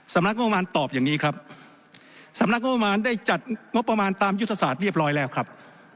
สำนักงบประมาณตอบอย่างนี้ครับสำนักงบประมาณได้จัดงบประมาณตามยุทธศาสตร์เรียบร้อยแล้วครับ